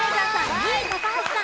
２位高橋さん。